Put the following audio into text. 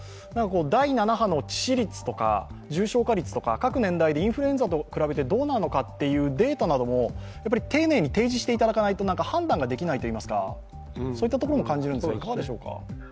第７波の致死率とか重症化率とか、各年代でインフルエンザと比べてどうなのかというデータなども丁寧に提示していただかないと判断ができないと感じるんですが。